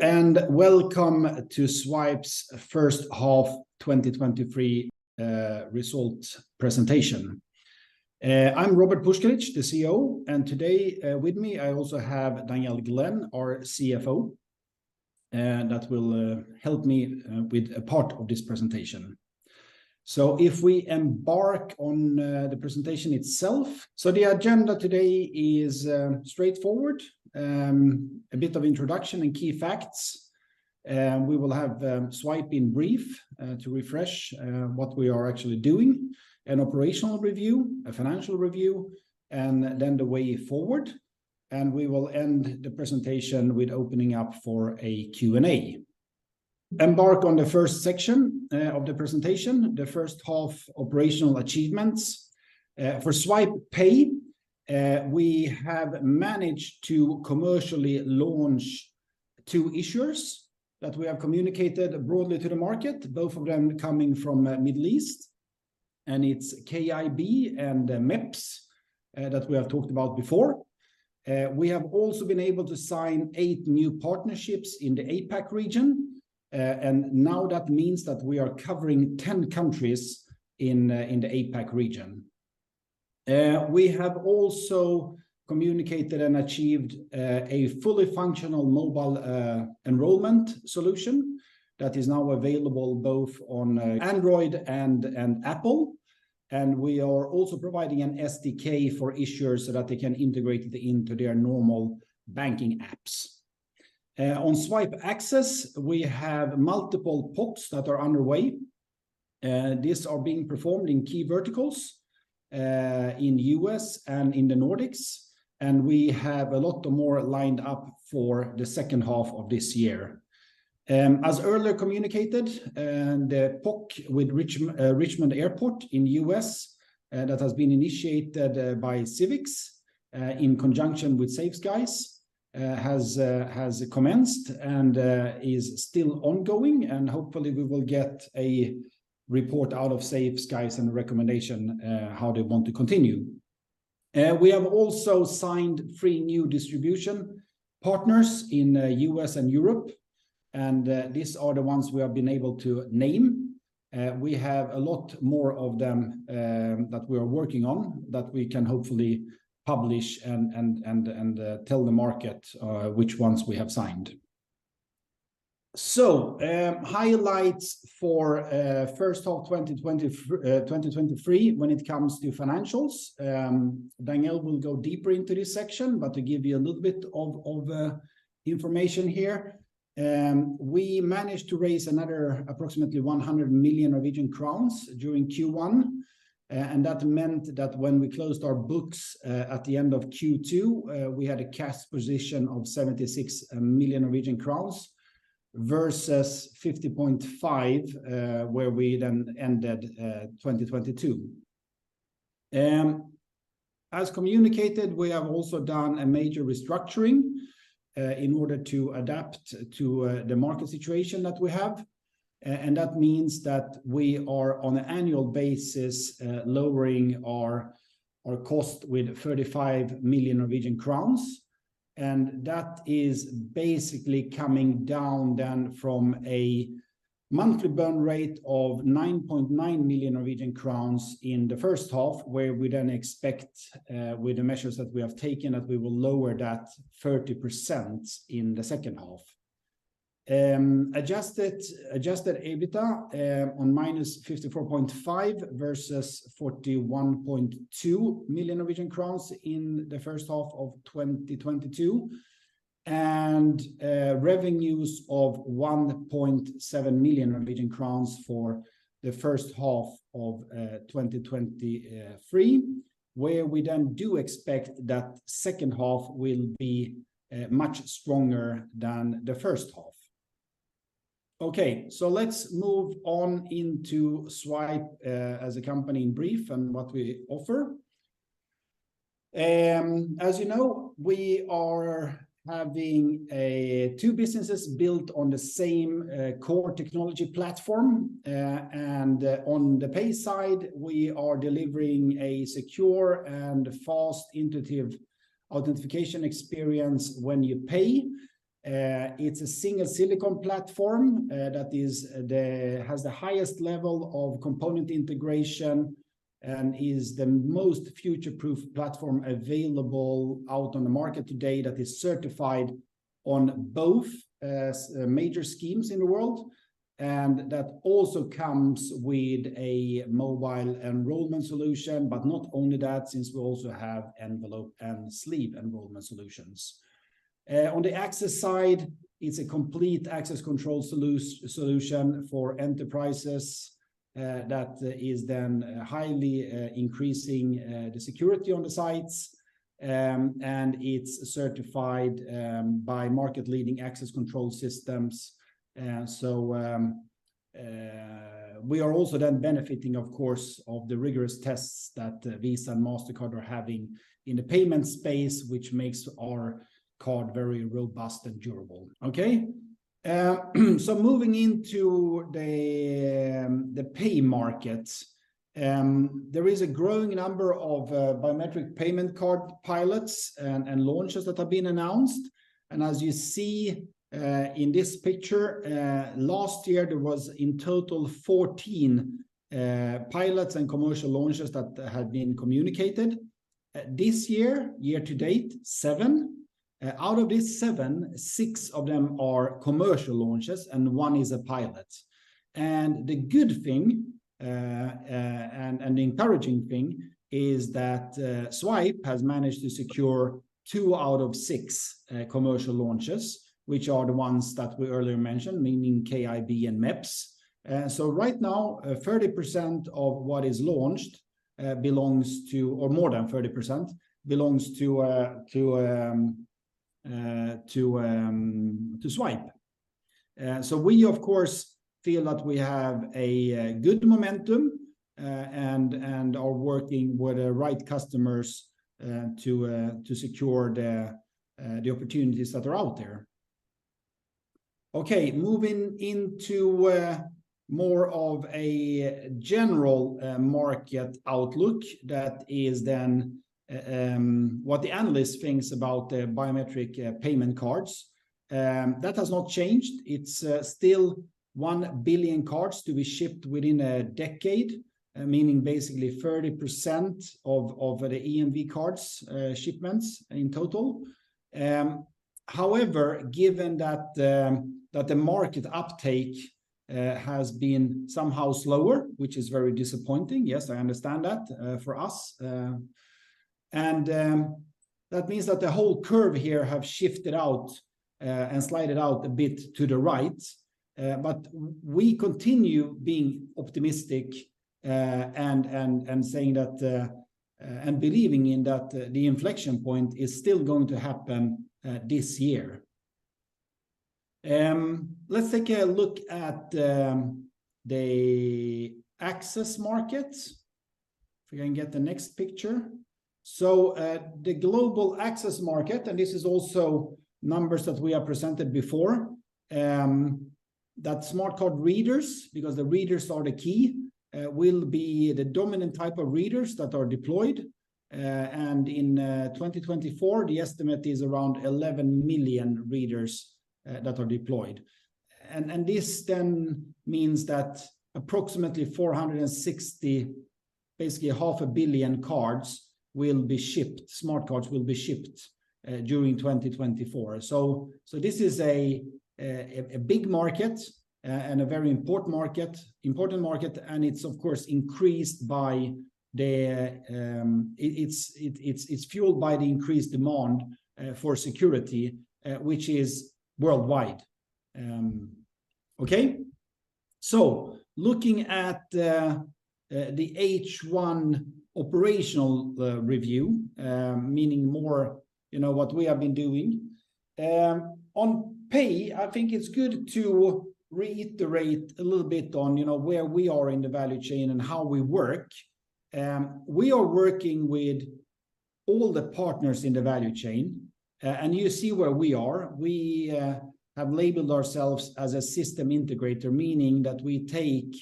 Hello, and welcome to Zwipe's first half 2023 result presentation. I'm Robert Puskaric, the CEO, and today, with me, I also have Danielle Glenn, our CFO, that will help me with a part of this presentation. So if we embark on the presentation itself, so the agenda today is straightforward. A bit of introduction and key facts, and we will have Zwipe in brief to refresh what we are actually doing, an operational review, a financial review, and then the way forward. And we will end the presentation with opening up for a Q&A. Embark on the first section of the presentation, the first half operational achievements. For Zwipe Pay, we have managed to commercially launch two issuers that we have communicated broadly to the market, both of them coming from Middle East, and it's KIB and MEPS that we have talked about before. We have also been able to sign eight new partnerships in the APAC region, and now that means that we are covering 10 countries in the APAC region. We have also communicated and achieved a fully functional mobile enrollment solution that is now available both on Android and Apple. We are also providing an SDK for issuers so that they can integrate it into their normal banking apps. On Zwipe Access, we have multiple PoCs that are underway. These are being performed in key verticals in the U.S. and in the Nordics, and we have a lot more lined up for the second half of this year. As earlier communicated, a PoC with Richmond Airport in the U.S. that has been initiated by Civix in conjunction with Safe Skies has commenced and is still ongoing. Hopefully, we will get a report out of Safe Skies and recommendation how they want to continue. We have also signed three new distribution partners in the U.S. and Europe, and these are the ones we have been able to name. We have a lot more of them, that we are working on, that we can hopefully publish and tell the market, which ones we have signed. So, highlights for first half 2020, 2023 when it comes to financials. Danielle will go deeper into this section, but to give you a little bit of information here, we managed to raise another approximately 100 million Norwegian crowns during Q1. And that meant that when we closed our books, at the end of Q2, we had a cash position of 76 million Norwegian crowns, versus 50.5, where we then ended 2022. As communicated, we have also done a major restructuring, in order to adapt to the market situation that we have. That means that we are, on an annual basis, lowering our cost with 35 million Norwegian crowns, and that is basically coming down then from a monthly burn rate of 9.9 million Norwegian crowns in the first half, where we then expect, with the measures that we have taken, that we will lower that 30% in the second half. Adjusted EBITDA of minus 54.5 million versus 41.2 million Norwegian crowns in the first half of 2022. Revenues of 1.7 million Norwegian crowns for the first half of 2023, where we then do expect that second half will be much stronger than the first half. Okay, so let's move on into Zwipe as a company in brief and what we offer. As you know, we are having a two businesses built on the same core technology platform. On the Pay side, we are delivering a secure and fast, intuitive authentication experience when you pay. It's a single silicon platform that has the highest level of component integration and is the most future-proof platform available out on the market today, that is certified on both major schemes in the world, and that also comes with a mobile enrollment solution. But not only that, since we also have envelope and sleeve enrollment solutions. On the Access side, it's a complete access control solution for enterprises that is then highly increasing the security on the sites. And it's certified by market-leading access control systems. We are also then benefiting, of course, of the rigorous tests that Visa and Mastercard are having in the payment space, which makes our card very robust and durable. Okay? So, moving into the Pay market, there is a growing number of biometric payment card pilots and launches that have been announced. And as you see, in this picture, last year there was in total 14 pilots and commercial launches that had been communicated. This year, year-to-date seven. Out of these seven, six of them are commercial launches, and one is a pilot. And the good thing, and the encouraging thing is that Zwipe has managed to secure two out of six commercial launches, which are the ones that we earlier mentioned, meaning KIB and MEPS. Right now, 30% of what is launched belongs to—or more than 30%, belongs to Zwipe. So we of course feel that we have a good momentum, and are working with the right customers to secure the opportunities that are out there. Okay, moving into more of a general market outlook, that is then what the analyst thinks about the biometric payment cards. That has not changed. It's still 1 billion cards to be shipped within a decade, meaning basically 30% of the EMV cards shipments in total. However, given that the market uptake has been somehow slower, which is very disappointing, yes, I understand that for us. That means that the whole curve here have shifted out, and slid out a bit to the right. But we continue being optimistic, and saying that, and believing in that, the inflection point is still going to happen, this year. Let's take a look at the Access market, if we can get the next picture. The global Access market, and this is also numbers that we have presented before, that smart card readers, because the readers are the key, will be the dominant type of readers that are deployed. And in 2024, the estimate is around 11 million readers that are deployed. And this then means that approximately 460, basically half a billion cards, will be shipped, smart cards will be shipped, during 2024. This is a big market, and a very important market, important market, and it's of course increased by the, it's fueled by the increased demand for security, which is worldwide. Okay? So, looking at the H1 operational review, meaning more, you know, what we have been doing. On Pay, I think it's good to reiterate a little bit on, you know, where we are in the value chain and how we work. We are working with all the partners in the value chain. And you see where we are. We have labeled ourselves as a system integrator, meaning that we take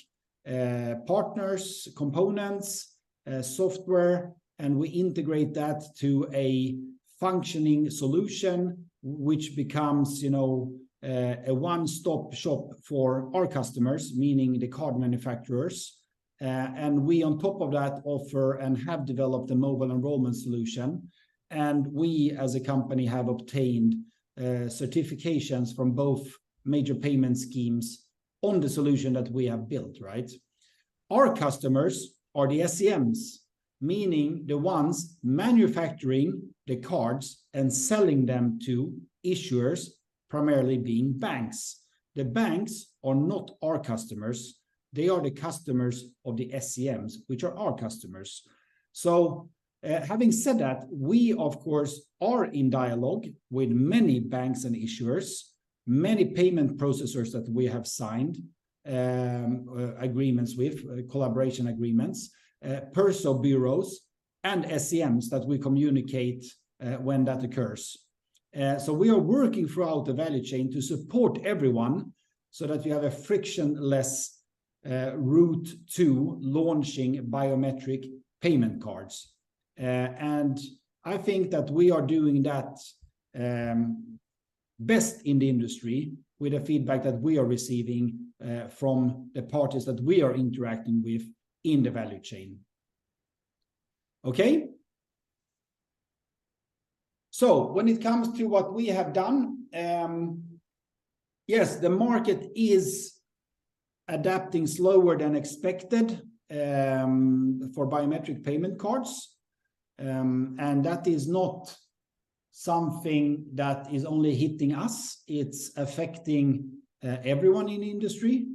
partners, components, software, and we integrate that to a functioning solution, which becomes, you know, a one-stop shop for our customers, meaning the card manufacturers. We on top of that offer and have developed a mobile enrollment solution. We, as a company, have obtained certifications from both major payment schemes on the solution that we have built, right? Our customers are the SCMs, meaning the ones manufacturing the cards and selling them to issuers, primarily being banks. The banks are not our customers. They are the customers of the SCMs, which are our customers. So, having said that, we of course are in dialogue with many banks and issuers, many payment processors that we have signed agreements with, collaboration agreements, personal bureaus and SCMs that we communicate when that occurs. So we are working throughout the value chain to support everyone so that we have a frictionless route to launching biometric payment cards. I think that we are doing that best in the industry with the feedback that we are receiving from the parties that we are interacting with in the value chain. Okay? So, when it comes to what we have done, yes, the market is adapting slower than expected for biometric payment cards. And that is not something that is only hitting us, it's affecting everyone in the industry.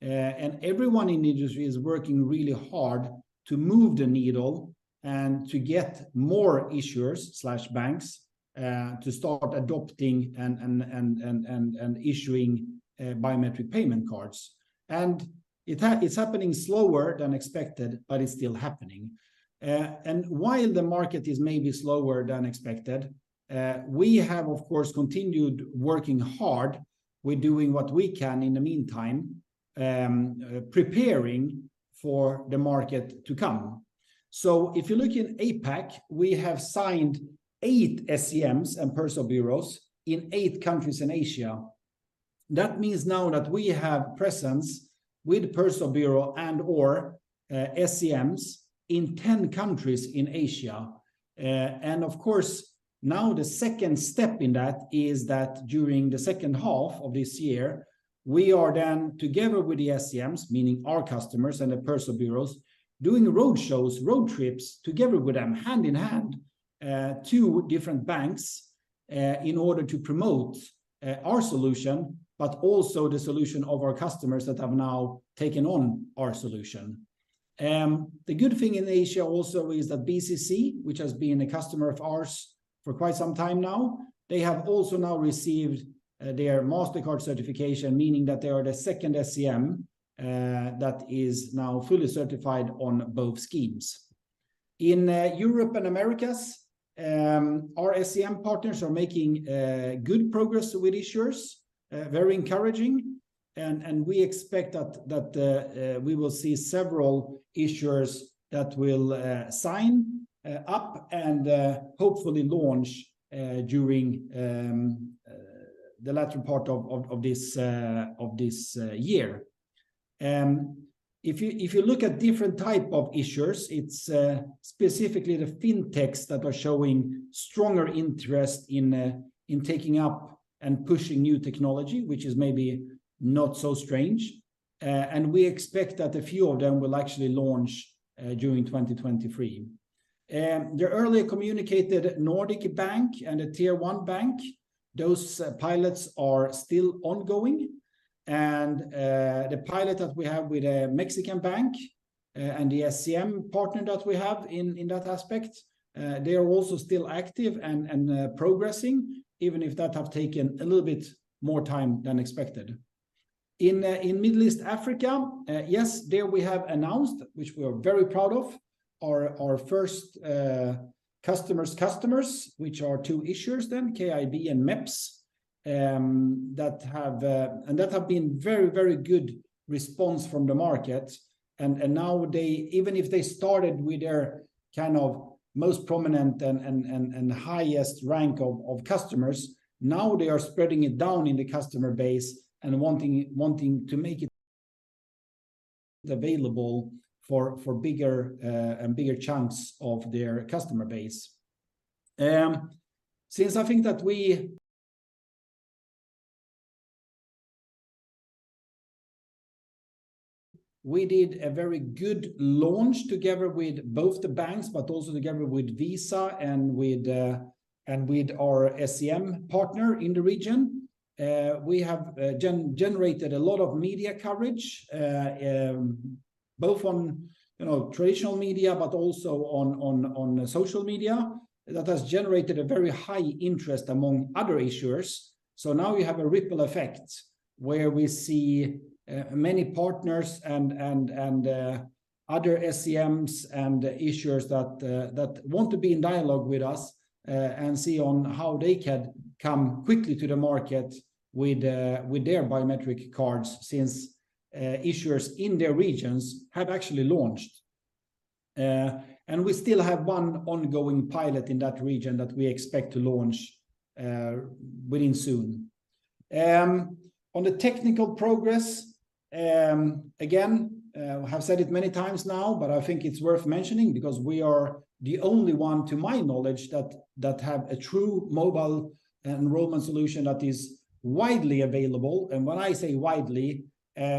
And everyone in the industry is working really hard to move the needle and to get more issuers/banks to start adopting and issuing biometric payment cards. It's happening slower than expected, but it's still happening. And while the market is maybe slower than expected, we have, of course, continued working hard. We're doing what we can in the meantime, preparing for the market to come. So, if you look in APAC, we have signed eight SCMs and personal bureaus in eight countries in Asia. That means now that we have presence with personal bureau and/or, SCMs in 10 countries in Asia. And of course, now the second step in that is that during the second half of this year, we are then, together with the SCMs, meaning our customers and the personal bureaus, doing roadshows, road trips, together with them, hand in hand, to different banks, in order to promote, our solution, but also the solution of our customers that have now taken on our solution. The good thing in Asia also is that BCC, which has been a customer of ours for quite some time now, they have also now received their Mastercard certification, meaning that they are the second SCM that is now fully certified on both schemes. In Europe and Americas, our SCM partners are making good progress with issuers, very encouraging, and we expect that we will see several issuers that will sign up and hopefully launch during the latter part of this year. If you look at different type of issuers, it's specifically the fintechs that are showing stronger interest in taking up and pushing new technology, which is maybe not so strange. We expect that a few of them will actually launch during 2023. The earlier communicated Nordic Bank and the Tier 1 bank, those pilots are still ongoing, and the pilot that we have with a Mexican bank and the SCM partner that we have in that aspect, they are also still active and progressing, even if that have taken a little bit more time than expected. In Middle East Africa, yes, there we have announced, which we are very proud of, our first customers, which are two issuers then, KIB and MEPS, that have and that have been very, very good response from the market. Now they, even if they started with their kind of most prominent and highest rank of customers, now they are spreading it down in the customer base and wanting to make it available for bigger and bigger chunks of their customer base. Since I think that we did a very good launch together with both the banks, but also together with Visa and with our SCM partner in the region. We have generated a lot of media coverage, both on, you know, traditional media, but also on social media. That has generated a very high interest among other issuers. Now we have a ripple effect, where we see many partners and other SCMs and issuers that want to be in dialogue with us and see on how they can come quickly to the market with their biometric cards, since issuers in their regions have actually launched. And we still have one ongoing pilot in that region that we expect to launch soon. On the technical progress, again, I have said it many times now, but I think it's worth mentioning because we are the only one, to my knowledge, that have a true mobile enrollment solution that is widely available. And when I say widely,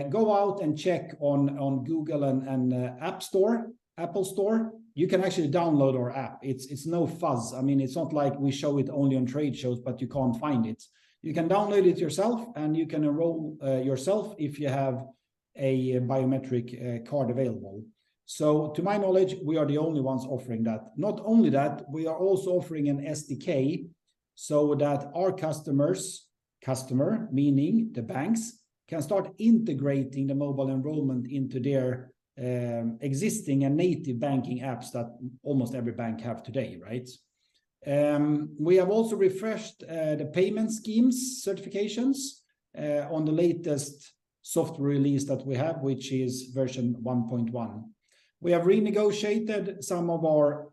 go out and check on Google and App Store, Apple Store. You can actually download our app. It's no fuss. I mean, it's not like we show it only on trade shows, but you can't find it. You can download it yourself, and you can enroll yourself if you have a biometric card available. So to my knowledge, we are the only ones offering that. Not only that, we are also offering an SDK so that our customers, customer, meaning the banks, can start integrating the mobile enrollment into their existing and native banking apps that almost every bank have today, right? We have also refreshed the payment schemes certifications on the latest software release that we have, which is version 1.1. We have renegotiated some of our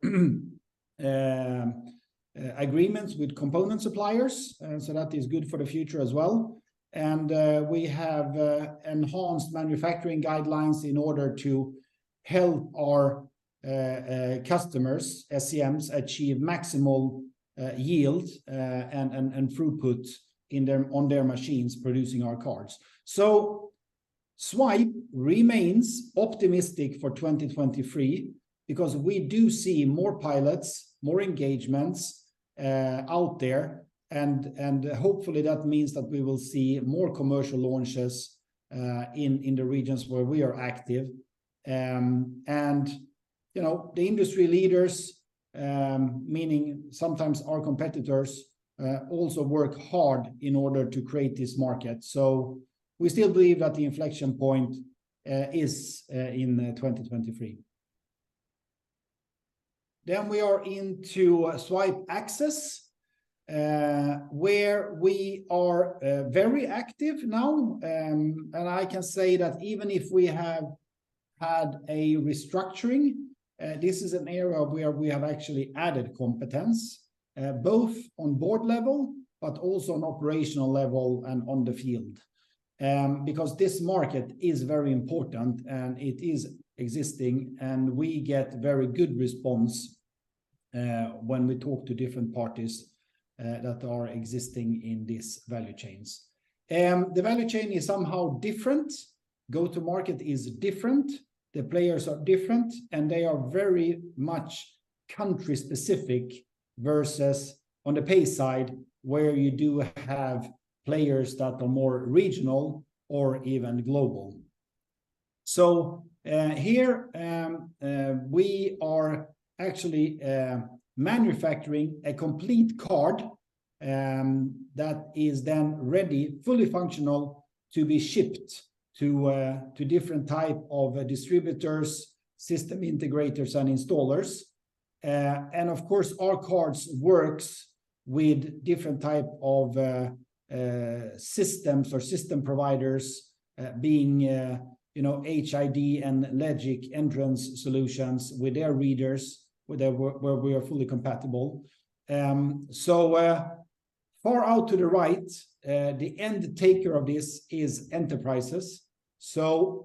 agreements with component suppliers, and so that is good for the future as well. We have enhanced manufacturing guidelines in order to help our customers, SCMs, achieve maximal yield and throughput on their machines producing our cards. So Zwipe remains optimistic for 2023 because we do see more pilots, more engagements out there, and hopefully, that means that we will see more commercial launches in the regions where we are active. You know, the industry leaders, meaning sometimes our competitors, also work hard in order to create this market. So we still believe that the inflection point is in 2023. Then we are into Zwipe Access, where we are very active now. I can say that even if we have had a restructuring, this is an area where we have actually added competence, both on board level, but also on operational level and on the field. Because this market is very important, and it is existing, and we get very good response, when we talk to different parties, that are existing in these value chains. The value chain is somehow different. Go-to-market is different, the players are different, and they are very much country-specific, versus on the Pay side, where you do have players that are more regional or even global. So, here, we are actually manufacturing a complete card, that is then ready, fully functional, to be shipped to different type of distributors, system integrators and installers. Of course, our cards works with different type of systems or system providers, being, you know, HID and LEGIC entrance solutions with their readers, where we are fully compatible. So, far out to the right, the end taker of this is enterprises. So,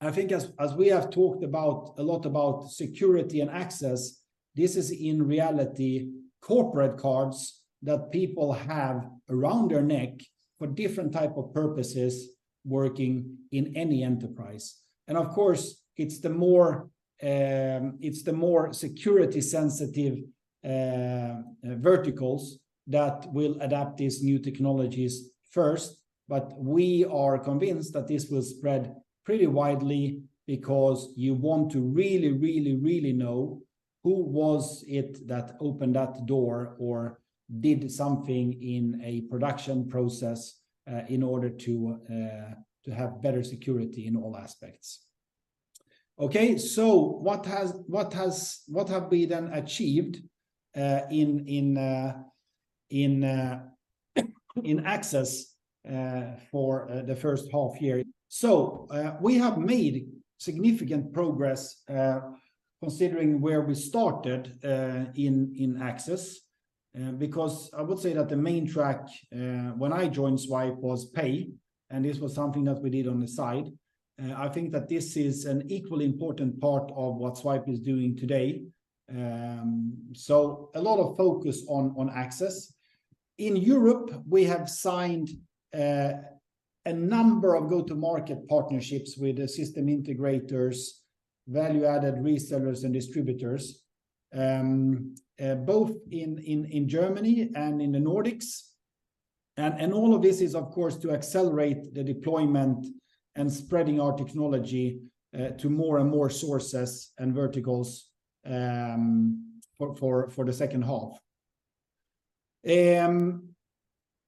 I think as we have talked about, a lot about security and access, this is in reality corporate cards that people have around their neck for different type of purposes, working in any enterprise. And of course, it's the more, it's the more security sensitive verticals that will adapt these new technologies first. We are convinced that this will spread pretty widely because you want to really, really, really know who was it that opened that door or did something in a production process, in order to have better security in all aspects. Okay, what have we then achieved in Access for the first half year? We have made significant progress, considering where we started, in Access. Because I would say that the main track when I joined Zwipe was Pay, and this was something that we did on the side. I think that this is an equally important part of what Zwipe is doing today. A lot of focus on Access. In Europe, we have signed a number of go-to-market partnerships with the system integrators, value-added resellers and distributors, both in Germany and in the Nordics. And all of this is, of course, to accelerate the deployment and spreading our technology to more and more sources and verticals for the second half.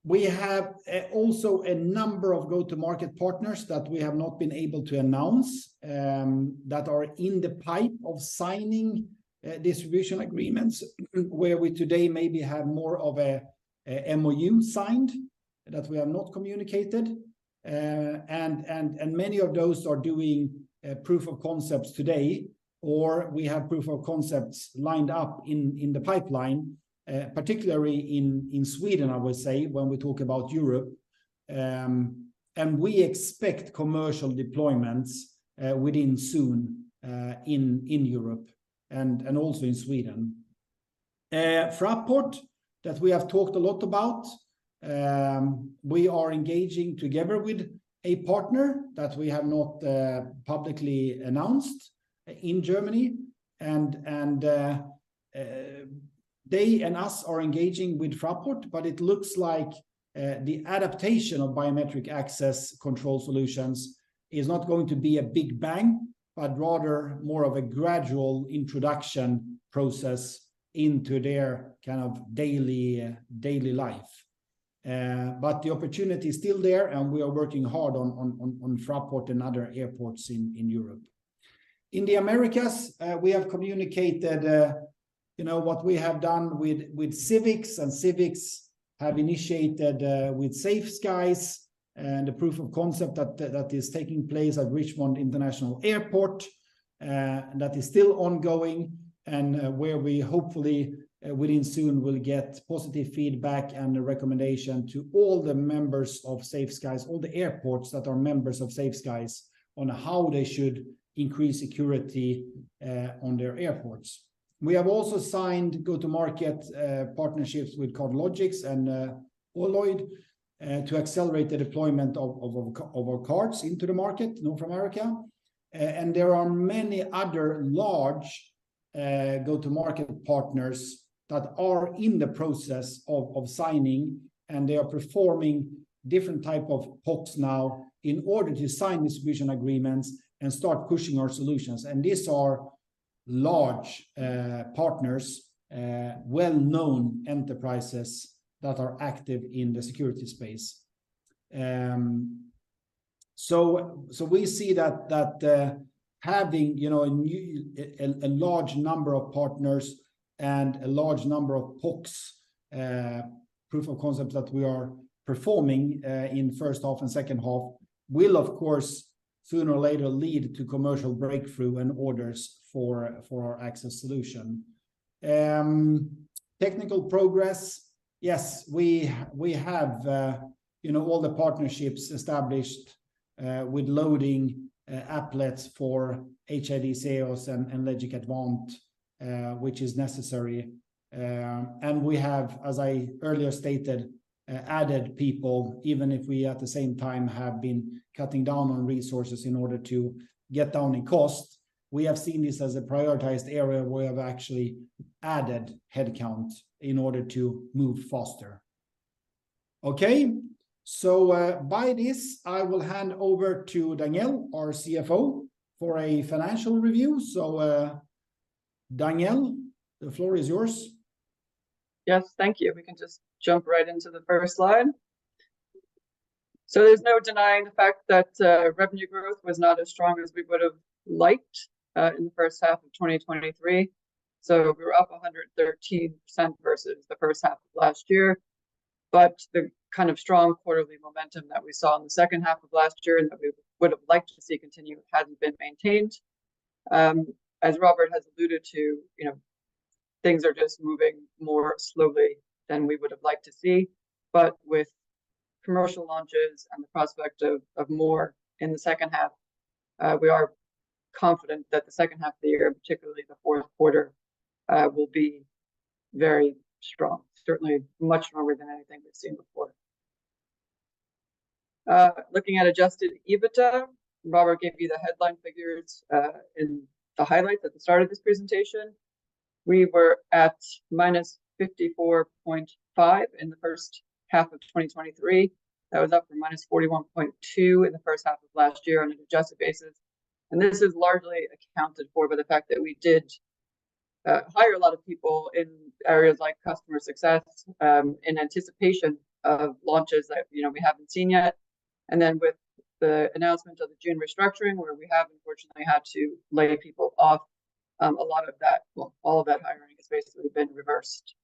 We have also a number of go-to-market partners that we have not been able to announce, that are in the pipeline of signing distribution agreements, where we today maybe have more of a MOU signed that we have not communicated. And many of those are doing proof of concepts today, or we have proof of concepts lined up in the pipeline, particularly in Sweden, I would say, when we talk about Europe. We expect commercial deployments within soon in Europe and also in Sweden. Fraport, that we have talked a lot about, we are engaging together with a partner that we have not publicly announced in Germany. They and us are engaging with Fraport, but it looks like the adaptation of biometric access control solutions is not going to be a big bang, but rather more of a gradual introduction process into their kind of daily life. But the opportunity is still there, and we are working hard on Fraport and other airports in Europe. In the Americas, we have communicated, you know, what we have done with Civix, and Civix have initiated with Safe Skies and a proof of concept that is taking place at Richmond International Airport. That is still ongoing, and where we hopefully within soon will get positive feedback and a recommendation to all the members of Safe Skies, all the airports that are members of Safe Skies, on how they should increase security on their airports. We have also signed go-to-market partnerships with CardLogix and OLOID to accelerate the deployment of our cards into the market, North America. And there are many other large go-to-market partners that are in the process of signing, and they are performing different type of PoCs now in order to sign distribution agreements and start pushing our solutions. These are large partners, well-known enterprises that are active in the security space. So we see that having, you know, a large number of partners and a large number of PoCs, proof of concepts, that we are performing in first half and second half will, of course, sooner or later lead to commercial breakthrough and orders for our access solution. Technical progress, yes, we have, you know, all the partnerships established with loading applets for HID sales and LEGIC advanced technology, which is necessary. We have, as I earlier stated, added people, even if we at the same time have been cutting down on resources in order to get down in costs. We have seen this as a prioritized area where we have actually added headcount in order to move faster. Okay, so, by this, I will hand over to Danielle, our CFO, for a financial review. So, Danielle, the floor is yours. Yes, thank you. We can just jump right into the first slide. So there's no denying the fact that, revenue growth was not as strong as we would've liked, in the first half of 2023. So we were up 113% versus the first half of last year. But the kind of strong quarterly momentum that we saw in the second half of last year, and that we would've liked to see continue, hadn't been maintained. As Robert has alluded to, you know, things are just moving more slowly than we would've liked to see. But with commercial launches and the prospect of, of more in the second half, we are confident that the second half of the year, particularly the fourth quarter, will be very strong. Certainly much stronger than anything we've seen before. Looking at adjusted EBITDA, Robert gave you the headline figures in the highlights at the start of this presentation. We were at minus 54.5 in the first half of 2023. That was up from minus 41.2 in the first half of last year on an adjusted basis, and this is largely accounted for by the fact that we did hire a lot of people in areas like customer success in anticipation of launches that, you know, we haven't seen yet. And then with the announcement of the June restructuring, where we have unfortunately had to lay people off, a lot of that well, all of that hiring has basically been reversed.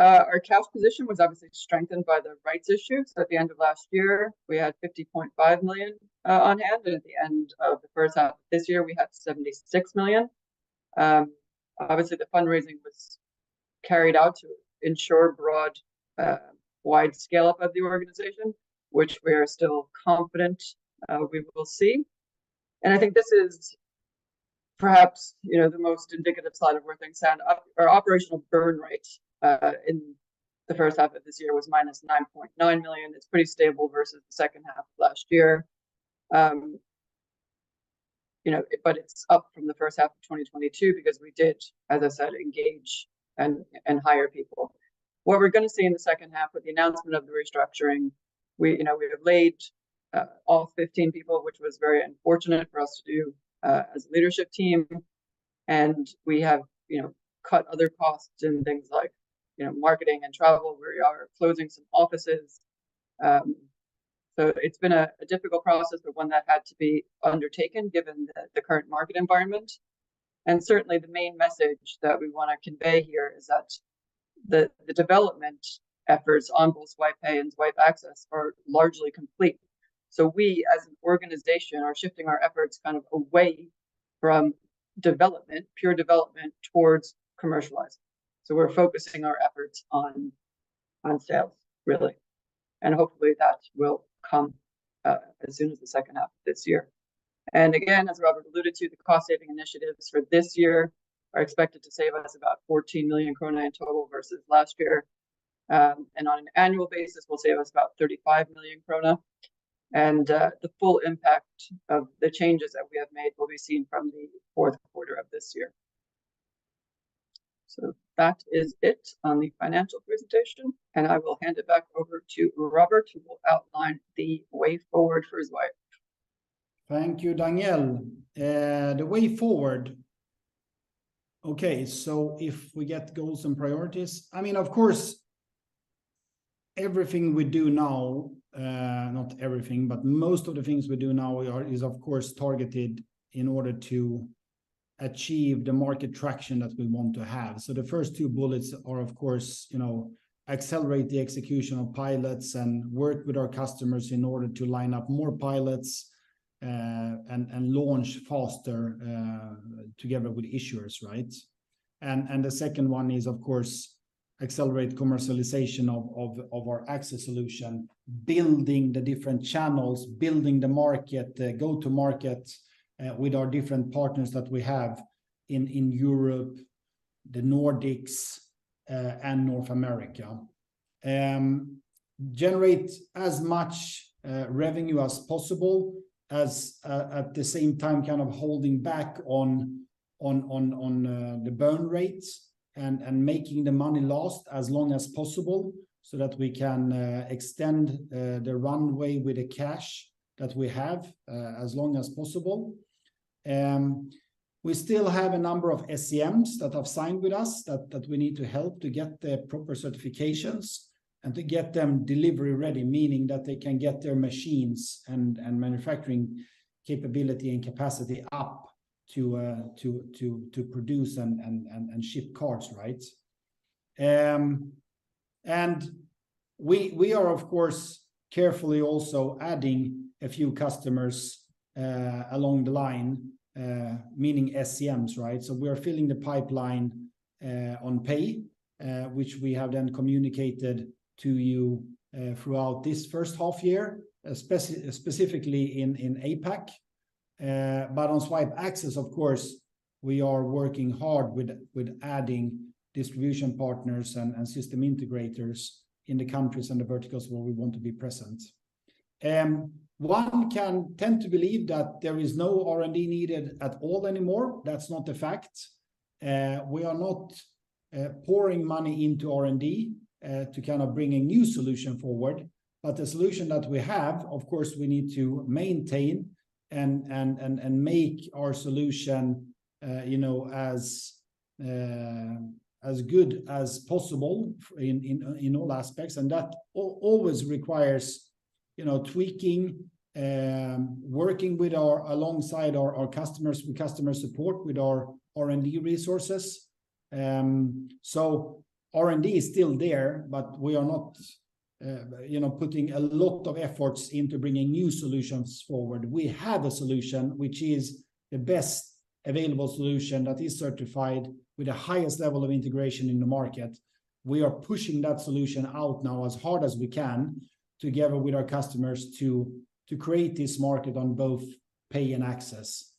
Our cash position was obviously strengthened by the rights issues. At the end of last year, we had 50.5 million on hand, and at the end of the first half of this year, we had 76 million. Obviously, the fundraising was carried out to ensure broad, wide scale-up of the organization, which we are still confident we will see. And I think this is perhaps, you know, the most indicative slide of where things stand. Our operational burn rate in the first half of this year was minus 9.9 million. It's pretty stable versus the second half of last year. You know, but it's up from the first half of 2022 because we did, as I said, engage and hire people. What we're gonna see in the second half with the announcement of the restructuring, we, you know, we have laid off 15 people, which was very unfortunate for us to do as a leadership team. And we have, you know, cut other costs in things like, you know, marketing and travel. We are closing some offices. So it's been a difficult process, but one that had to be undertaken, given the current market environment. And certainly, the main message that we wanna convey here is that the development efforts on both Zwipe Pay and Zwipe Access are largely complete. So we, as an organization, are shifting our efforts kind of away from development, pure development, towards commercializing. So we're focusing our efforts on sales, really, and hopefully that will come as soon as the second half of this year. Again, as Robert alluded to, the cost-saving initiatives for this year are expected to save us about 14 million krone in total versus last year. And on an annual basis, will save us about 35 million krone. And, the full impact of the changes that we have made will be seen from the fourth quarter of this year. So that is it on the financial presentation, and I will hand it back over to Robert, who will outline the way forward for Zwipe. Thank you, Danielle. The way forward. Okay, so if we get goals and priorities, I mean, of course, everything we do now, not everything, but most of the things we do now are of course targeted in order to achieve the market traction that we want to have. So the first two bullets are, of course, you know, accelerate the execution of pilots and work with our customers in order to line up more pilots, and launch faster, together with issuers, right? And the second one is, of course, accelerate commercialization of our access solution, building the different channels, building the market, the go-to-market, with our different partners that we have in Europe, the Nordics, and North America. Generate as much revenue as possible as at the same time, kind of holding back on the burn rates and making the money last as long as possible, so that we can extend the runway with the cash that we have as long as possible. We still have a number of SCMs that have signed with us that we need to help to get their proper certifications and to get them delivery-ready, meaning that they can get their machines and manufacturing capability and capacity up to produce and ship cards, right? And we are, of course, carefully also adding a few customers along the line, meaning SCMs, right? We are filling the pipeline on Pay, which we have then communicated to you throughout this first half year, specifically in APAC. But on Zwipe Access, of course, we are working hard with adding distribution partners and system integrators in the countries and the verticals where we want to be present. One can tend to believe that there is no R&D needed at all anymore. That's not the fact. We are not pouring money into R&D to kind of bring a new solution forward. But the solution that we have, of course, we need to maintain and make our solution, you know, as good as possible in all aspects. That always requires, you know, tweaking, working alongside our customers, with customer support, with our R&D resources. So R&D is still there, but we are not, you know, putting a lot of efforts into bringing new solutions forward. We have a solution which is the best available solution that is certified with the highest level of integration in the market. We are pushing that solution out now as hard as we can, together with our customers, to create this market on both Pay and Access.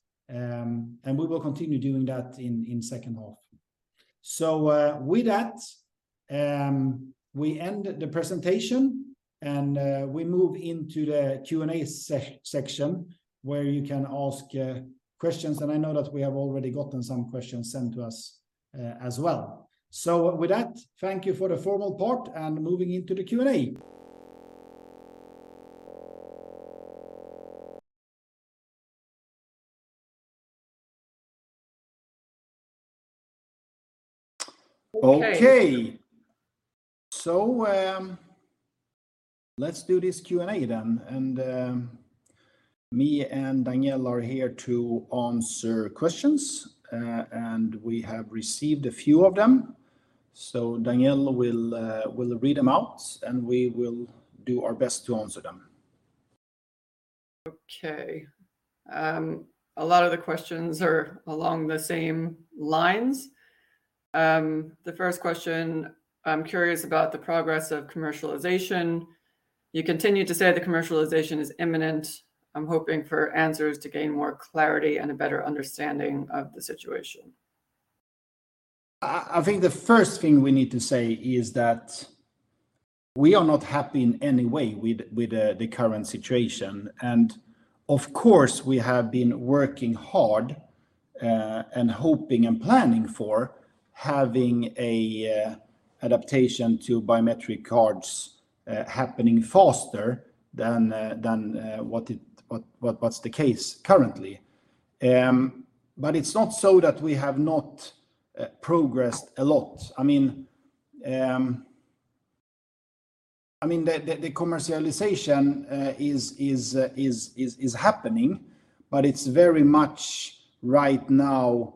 And we will continue doing that in second half. So, with that, we end the presentation, and we move into the Q&A section, where you can ask questions. And I know that we have already gotten some questions sent to us, as well. With that, thank you for the formal part and moving into the Q&A. Okay. So, let's do this Q&A then. And, me and Danielle are here to answer questions, and we have received a few of them. So Danielle will read them out, and we will do our best to answer them. Okay. A lot of the questions are along the same lines. The first question, I'm curious about the progress of commercialization. You continue to say the commercialization is imminent. I'm hoping for answers to gain more clarity and a better understanding of the situation. I think the first thing we need to say is that we are not happy in any way with the current situation. Of course, we have been working hard and hoping and planning for having a adaptation to biometric cards happening faster than what's the case currently. But it's not so that we have not progressed a lot. I mean, the commercialization is happening, but it's very much right now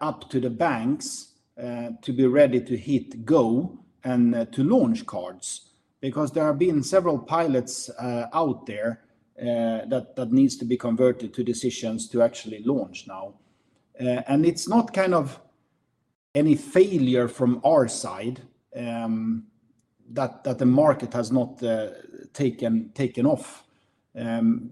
up to the banks to be ready to hit go and to launch cards. Because there have been several pilots out there that needs to be converted to decisions to actually launch now. It's not kind of any failure from our side, that the market has not taken off,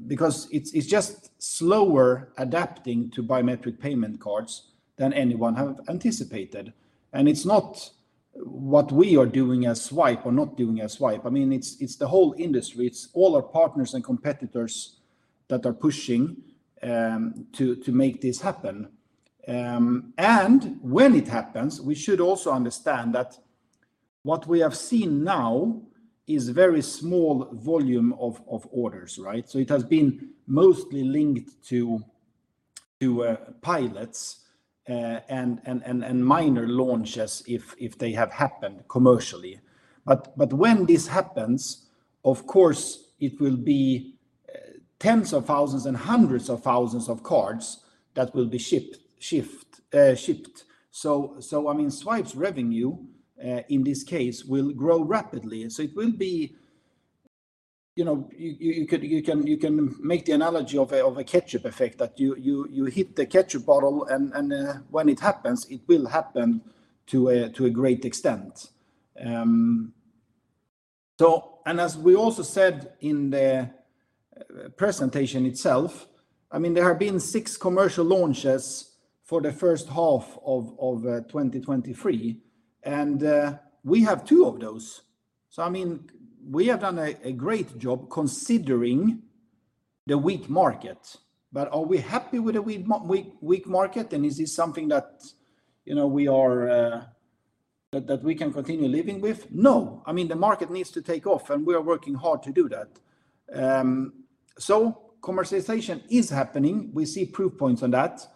because it's just slower adapting to biometric payment cards than anyone have anticipated. It's not what we are doing as Zwipe or not doing as Zwipe. I mean, it's the whole industry. It's all our partners and competitors that are pushing to make this happen. When it happens, we should also understand that what we have seen now is very small volume of orders, right? So it has been mostly linked to pilots and minor launches, if they have happened commercially. But when this happens, of course, it will be tens of thousands and hundreds of thousands of cards that will be shipped. So, I mean, Zwipe's revenue in this case will grow rapidly. So it will be, you know, you could, you can make the analogy of a ketchup effect, that you hit the ketchup bottle, and when it happens, it will happen to a great extent. So, as we also said in the presentation itself, I mean, there have been six commercial launches for the first half of 2023, and we have two of those. So, I mean, we have done a great job considering the weak market. But are we happy with the weak market, and is this something that, you know, we are, that we can continue living with? No. I mean, the market needs to take off, and we are working hard to do that. So commercialization is happening. We see proof points on that.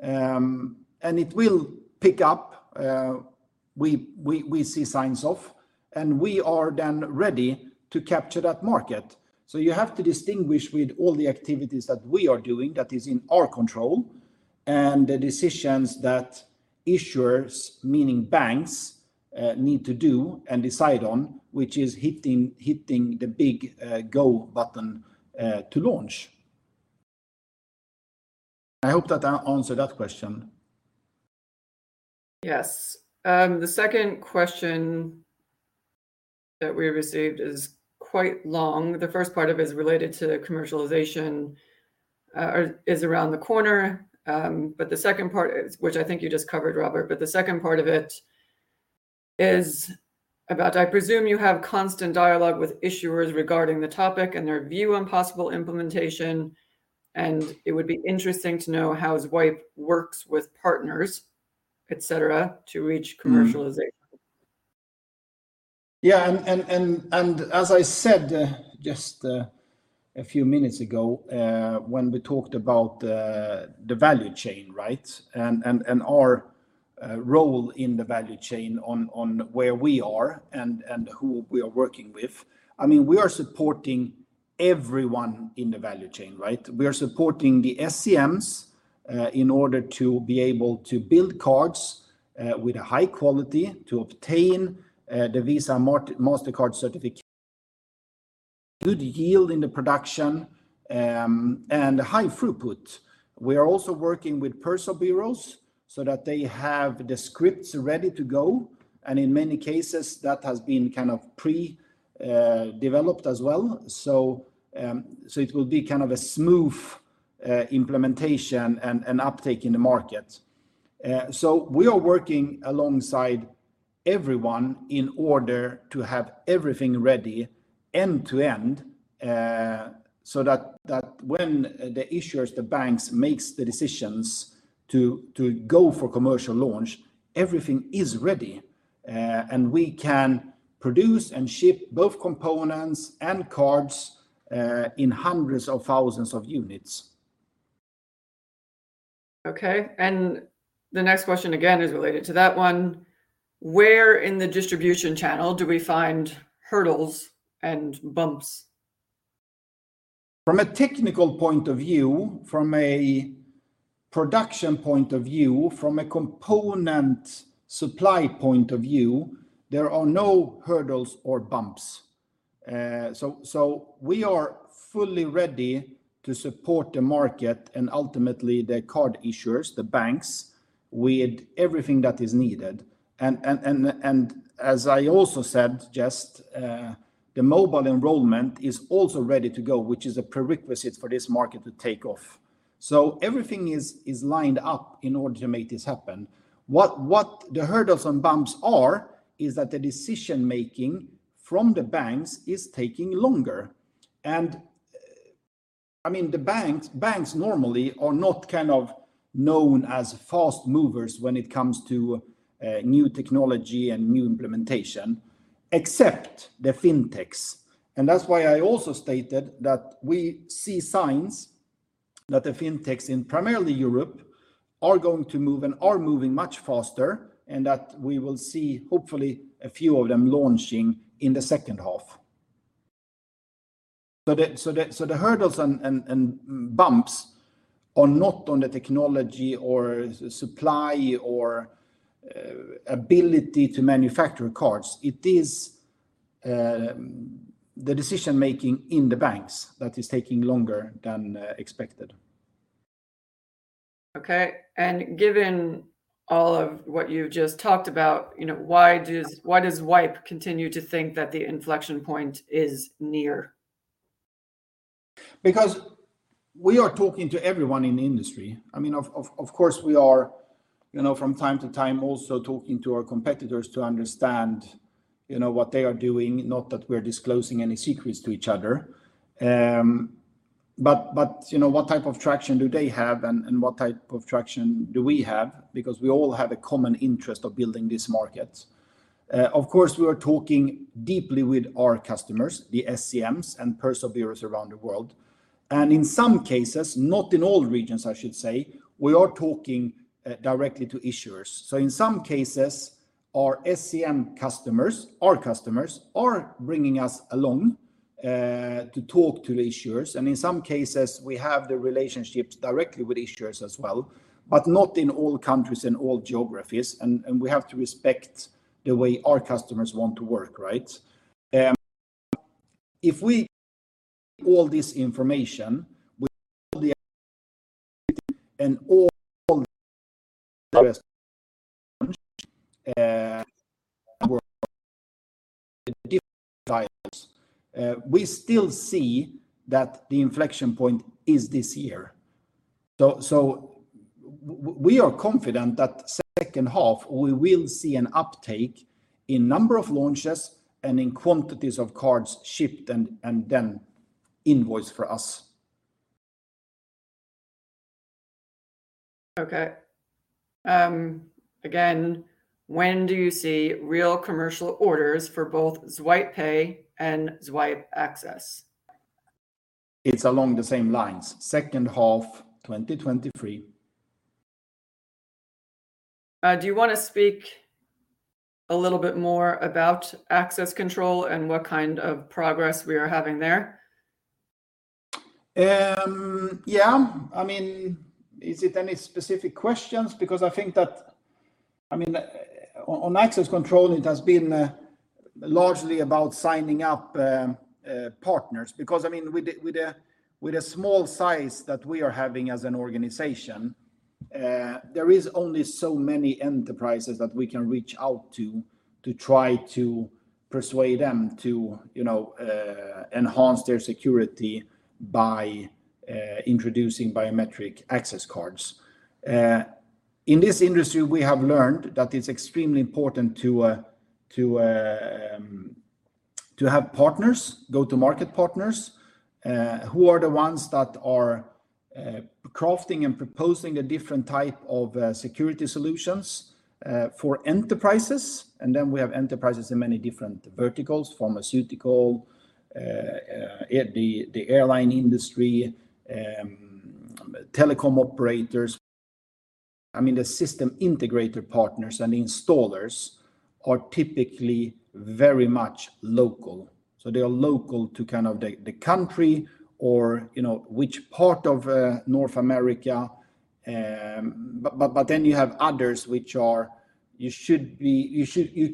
And it will pick up. We see signs off, and we are then ready to capture that market. So you have to distinguish with all the activities that we are doing that is in our control, and the decisions that issuers, meaning banks, need to do and decide on, which is hitting the big go button to launch. I hope that I answered that question. Yes. The second question that we received is quite long. The first part of it is related to commercialization, is around the corner. But the second part, which I think you just covered, Robert, but the second part of it is about, I presume you have constant dialogue with issuers regarding the topic and their view on possible implementation, and it would be interesting to know how Zwipe works with partners, et cetera, to reach commercialization. Yeah, as I said just a few minutes ago, when we talked about the value chain, right? Our role in the value chain on where we are and who we are working with, I mean, we are supporting everyone in the value chain, right? We are supporting the SCMs in order to be able to build cards with a high quality to obtain the Visa, Mastercard certificate, good yield in the production, and high throughput. We are also working with personalization bureaus so that they have the scripts ready to go, and in many cases, that has been kind of pre-developed as well. So it will be kind of a smooth implementation and uptake in the market. So we are working alongside everyone in order to have everything ready end-to-end, so that when the issuers, the banks, makes the decisions to go for commercial launch, everything is ready, and we can produce and ship both components and cards in hundreds of thousands of units. Okay, and the next question again is related to that one: Where in the distribution channel do we find hurdles and bumps? From a technical point of view, from a production point of view, from a component supply point of view, there are no hurdles or bumps. We are fully ready to support the market and ultimately the card issuers, the banks, with everything that is needed. As I also said, the mobile enrollment is also ready to go, which is a prerequisite for this market to take off. So everything is lined up in order to make this happen. What the hurdles and bumps are is that the decision-making from the banks is taking longer. I mean, the banks normally are not kind of known as fast movers when it comes to new technology and new implementation, except the fintechs. That's why I also stated that we see signs that the fintechs in primarily Europe are going to move and are moving much faster, and that we will see, hopefully, a few of them launching in the second half. So the hurdles and bumps are not on the technology or supply or ability to manufacture cards. It is the decision-making in the banks that is taking longer than expected. Okay, and given all of what you just talked about, you know, why does, why does Zwipe continue to think that the inflection point is near? Because we are talking to everyone in the industry. I mean, of course, we are, you know, from time to time, also talking to our competitors to understand, you know, what they are doing, not that we're disclosing any secrets to each other. But you know, what type of traction do they have and what type of traction do we have? Because we all have a common interest of building this market. Of course, we are talking deeply with our customers, the SCMs and personalization bureaus around the world. And in some cases, not in all regions, I should say, we are talking directly to issuers. In some cases, our SCM customers, our customers, are bringing us along to talk to the issuers, and in some cases, we have the relationships directly with issuers as well, but not in all countries and all geographies, and we have to respect the way our customers want to work, right? With all this information and all, we still see that the inflection point is this year. So we are confident that second half, we will see an uptake in number of launches and in quantities of cards shipped and then invoiced for us. Okay. Again, when do you see real commercial orders for both Zwipe Pay and Zwipe Access? It's along the same lines, second half, 2023. Do you wanna speak a little bit more about access control and what kind of progress we are having there? Yeah. I mean, is it any specific questions? Because I think that, I mean, on access control, it has been largely about signing up partners. Because, I mean, with the small size that we are having as an organization, there is only so many enterprises that we can reach out to, to try to persuade them to, you know, enhance their security by introducing biometric access cards. In this industry, we have learned that it's extremely important to have partners, go-to-market partners, who are the ones that are crafting and proposing the different type of security solutions for enterprises. And then we have enterprises in many different verticals, pharmaceutical, the airline industry, telecom operators. I mean, the system integrator partners and installers are typically very much local. So they are local to kind of the country or, you know, which part of North America. But then you have others which are, you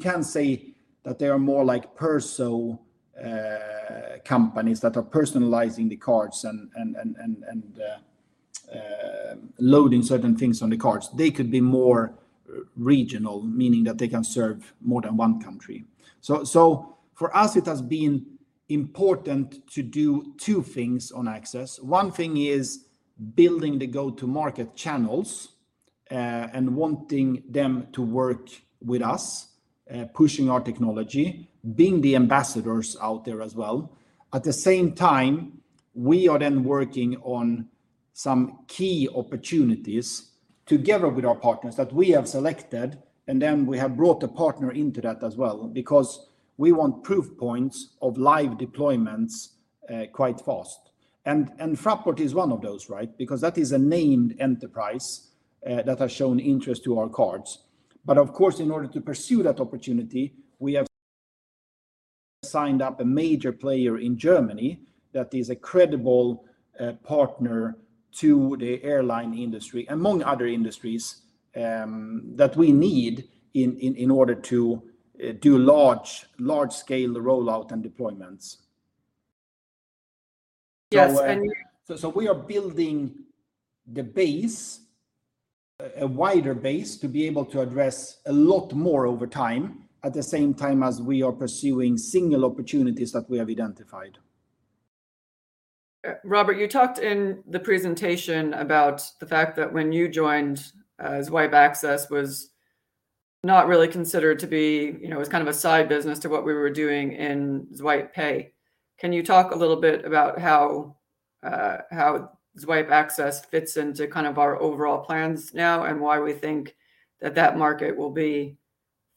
can say that they are more like companies that are personalizing the cards and loading certain things on the cards. They could be more regional, meaning that they can serve more than one country. So for us, it has been important to do two things on Access. One thing is building the go-to-market channels, and wanting them to work with us, pushing our technology, being the ambassadors out there as well. At the same time, we are then working on some key opportunities together with our partners that we have selected, and then we have brought a partner into that as well, because we want proof points of live deployments quite fast. And Fraport is one of those, right? Because that is a named enterprise that has shown interest to our cards. But of course, in order to pursue that opportunity, we have signed up a major player in Germany that is a credible partner to the airline industry, among other industries, that we need in order to do large-scale rollout and deployments. So, we are building the base, a wider base, to be able to address a lot more over time, at the same time as we are pursuing single opportunities that we have identified. Robert, you talked in the presentation about the fact that when you joined, Zwipe Access was not really considered to be, you know, it was kind of a side business to what we were doing in Zwipe Pay. Can you talk a little bit about how, how Zwipe Access fits into kind of our overall plans now, and why we think that that market will be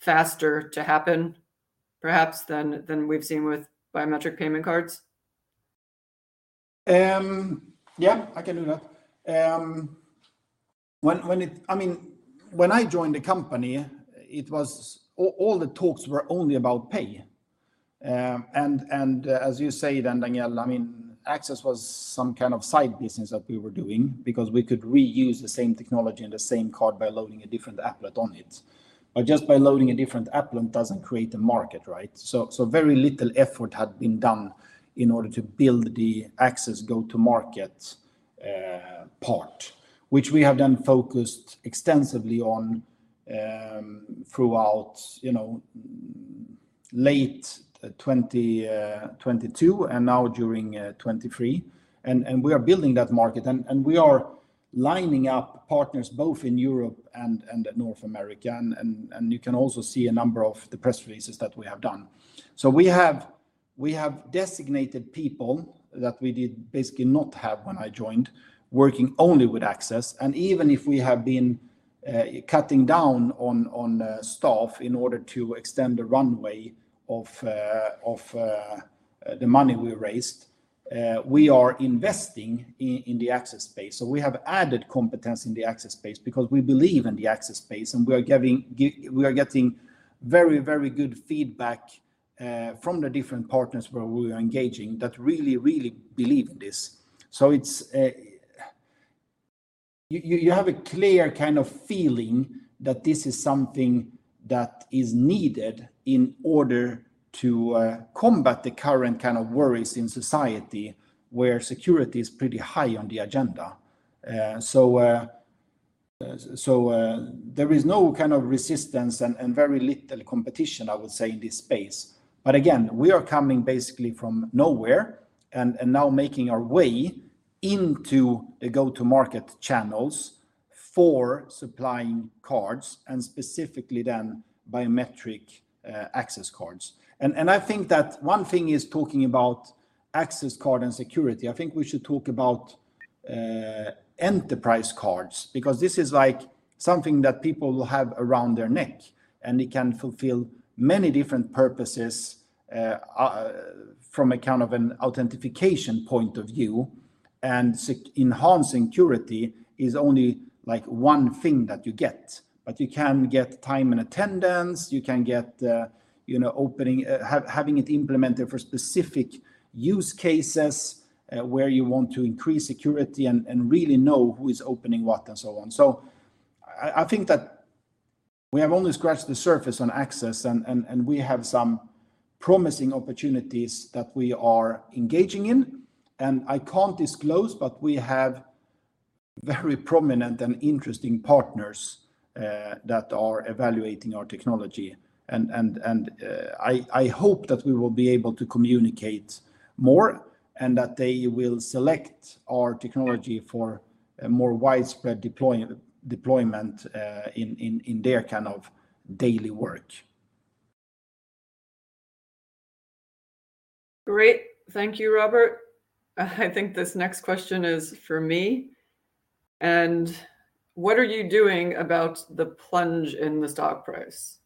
faster to happen, perhaps, than, than we've seen with biometric payment cards? Yeah, I can do that. When I joined the company, it was all the talks were only about Pay. And as you say then, Danielle, I mean, Access was some kind of side business that we were doing because we could reuse the same technology and the same card by loading a different applet on it. But just by loading a different applet doesn't create a market, right? So very little effort had been done in order to build the Access go-to-market part, which we have then focused extensively on throughout, you know, late 2022, and now during 2023. And we are building that market, and we are lining up partners both in Europe and North America. You can also see a number of the press releases that we have done. So, we have designated people that we did basically not have when I joined, working only with Access. And even if we have been cutting down on staff in order to extend the runway of the money we raised, we are investing in the access space. So we have added competence in the access space because we believe in the access space, and we are getting very, very good feedback from the different partners where we are engaging that really, really believe in this. You have a clear kind of feeling that this is something that is needed in order to combat the current kind of worries in society, where security is pretty high on the agenda. There is no kind of resistance and very little competition, I would say, in this space. But again, we are coming basically from nowhere and now making our way into the go-to-market channels for supplying cards, and specifically then biometric access cards. And I think that one thing is talking about access card and security, I think we should talk about enterprise cards, because this is like something that people will have around their neck, and it can fulfill many different purposes from a kind of an authentication point of view. And enhancing security is only like one thing that you get. You can get time and attendance, you can get, you know, opening, having it implemented for specific use cases, where you want to increase security and really know who is opening what and so on. So I think that we have only scratched the surface on Access, and we have some promising opportunities that we are engaging in. And I can't disclose, but we have very prominent and interesting partners that are evaluating our technology. And I hope that we will be able to communicate more, and that they will select our technology for a more widespread deployment in their kind of daily work. Great. Thank you, Robert. I think this next question is for me. And what are you doing about the plunge in the stock price?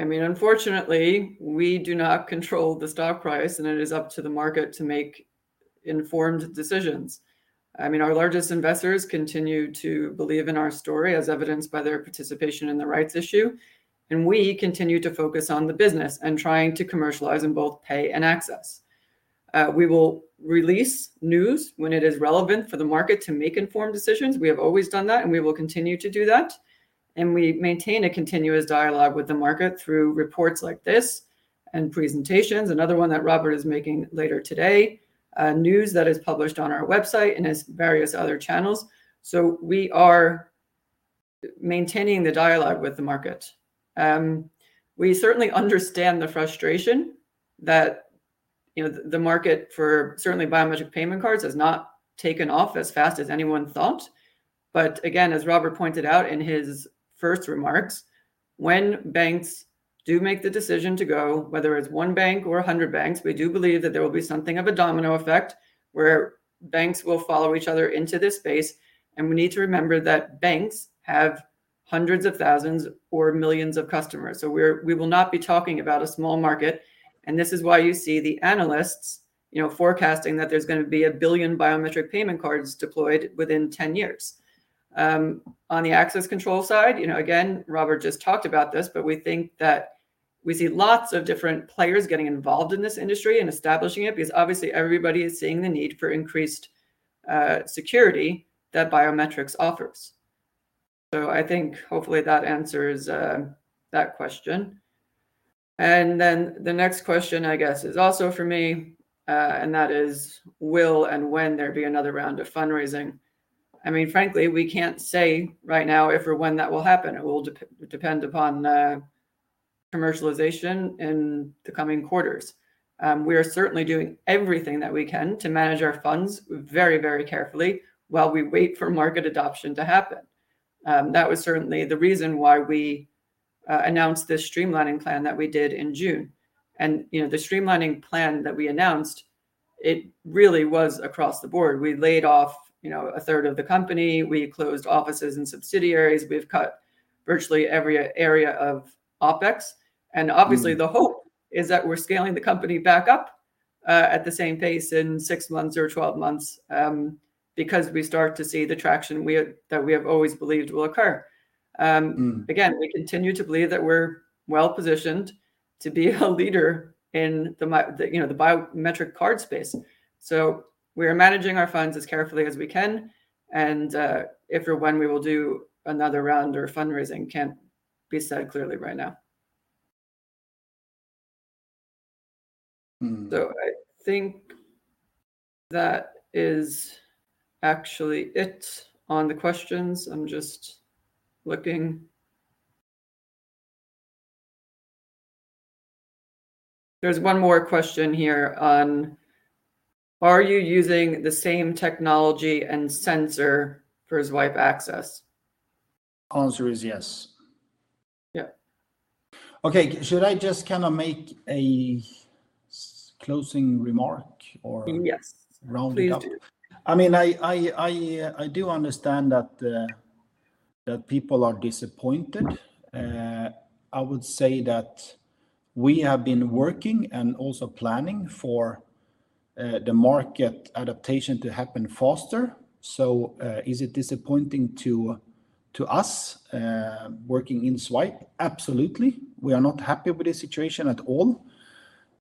I mean, unfortunately, we do not control the stock price, and it is up to the market to make informed decisions. I mean, our largest investors continue to believe in our story, as evidenced by their participation in the rights issue, and we continue to focus on the business and trying to commercialize in both Pay and Access. We will release news when it is relevant for the market to make informed decisions. We have always done that, and we will continue to do that, and we maintain a continuous dialogue with the market through reports like this and presentations, another one that Robert is making later today, news that is published on our website and as various other channels. We are maintaining the dialogue with the market. We certainly understand the frustration that, you know, the market for certainly biometric payment cards has not taken off as fast as anyone thought. But again, as Robert pointed out in his first remarks, when banks do make the decision to go, whether it's one bank or 100 banks, we do believe that there will be something of a domino effect, where banks will follow each other into this space. And we need to remember that banks have hundreds of thousands or millions of customers, so we're, we will not be talking about a small market. And this is why you see the analysts, you know, forecasting that there's gonna be 1 billion biometric payment cards deployed within 10 years. On the access control side, you know, again, Robert just talked about this, but we think that we see lots of different players getting involved in this industry and establishing it, because obviously everybody is seeing the need for increased security that biometrics offers. So I think hopefully that answers that question. And then the next question, I guess, is also for me, and that is: Will and when there be another round of fundraising? I mean, frankly, we can't say right now if or when that will happen. It will depend upon commercialization in the coming quarters. We are certainly doing everything that we can to manage our funds very, very carefully while we wait for market adoption to happen. That was certainly the reason why we announced this streamlining plan that we did in June. You know, the streamlining plan that we announced, it really was across the board. We laid off, you know, a third of the company. We closed offices and subsidiaries. We've cut virtually every area of OpEx. And obviously, the hope is that we're scaling the company back up at the same pace in 6 months or 12 months because we start to see the traction we have, that we have always believed will occur again, we continue to believe that we're well positioned to be a leader in the, you know, the biometric card space. So we are managing our funds as carefully as we can, and if or when we will do another round or fundraising can't be said clearly right now. I think that is actually it on the questions. I'm just looking. There's one more question here on, "Are you using the same technology and sensor for Zwipe Access? Answer is yes. Yeah. Okay, should I just kind of make a closing remark? Yes Or round it up? Please do. I mean, I do understand that people are disappointed. I would say that we have been working and also planning for the market adaptation to happen faster. So, is it disappointing to us, working in Zwipe? Absolutely. We are not happy with the situation at all.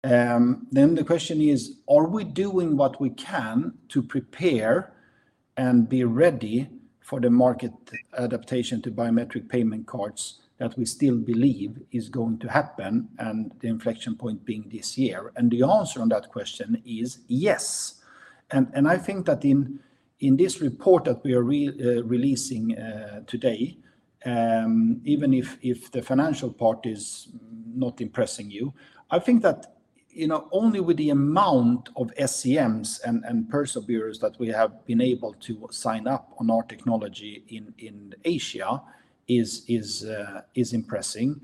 Then the question is, are we doing what we can to prepare and be ready for the market adaptation to biometric payment cards that we still believe is going to happen, and the inflection point being this year? And the answer on that question is yes. I think that in this report that we are releasing today, even if the financial part is not impressing you, I think that, you know, only with the amount of SCMs and personalization bureaus that we have been able to sign up on our technology in Asia is impressing.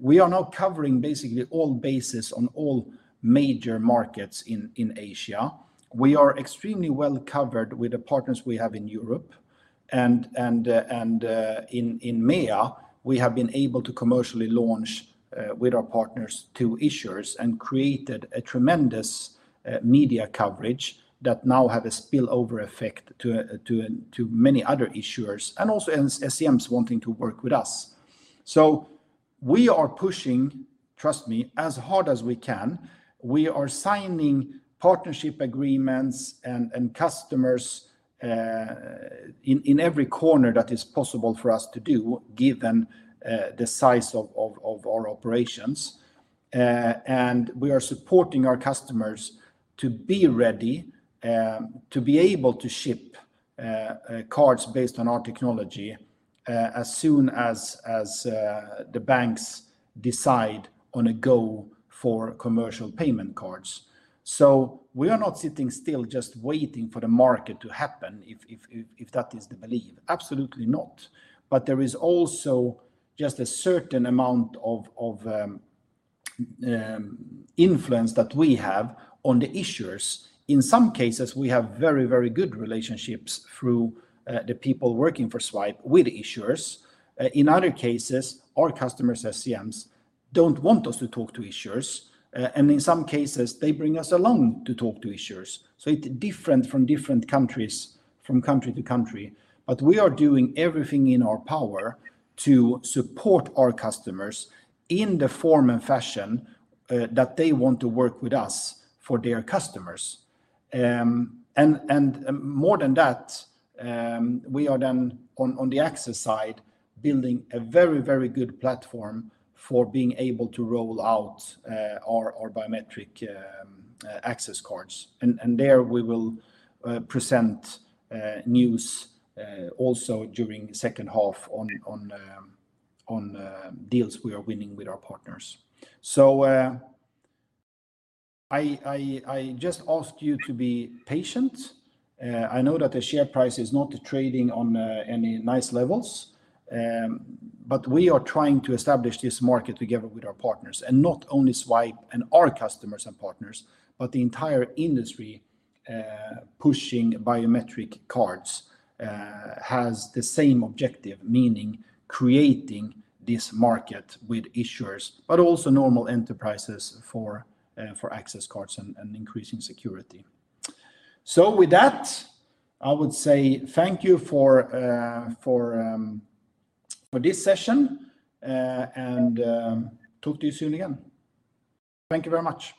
We are now covering basically all bases on all major markets in Asia. We are extremely well-covered with the partners we have in Europe, and in MEA, we have been able to commercially launch with our partners to issuers and created a tremendous media coverage that now have a spillover effect to many other issuers, and also SCMs wanting to work with us. So we are pushing, trust me, as hard as we can. We are signing partnership agreements and customers in every corner that is possible for us to do, given the size of our operations. And we are supporting our customers to be ready to be able to ship cards based on our technology as soon as the banks decide on a go for commercial payment cards. So we are not sitting still just waiting for the market to happen, if that is the belief. Absolutely not. But there is also just a certain amount of influence that we have on the issuers. In some cases, we have very good relationships through the people working for Zwipe with issuers. In other cases, our customers, SCMs, don't want us to talk to issuers, and in some cases, they bring us along to talk to issuers. So it's different from different countries, from country to country, but we are doing everything in our power to support our customers in the form and fashion that they want to work with us for their customers. And more than that, we are then on the Access side, building a very, very good platform for being able to roll out our biometric access cards. And there we will present news also during second half on deals we are winning with our partners. So I just ask you to be patient. I know that the share price is not trading on any nice levels, but we are trying to establish this market together with our partners, and not only Zwipe and our customers and partners, but the entire industry pushing biometric cards has the same objective, meaning creating this market with issuers, but also normal enterprises for access cards and increasing security. So with that, I would say thank you for this session, and talk to you soon again. Thank you very much!